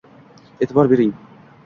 E’tibor bering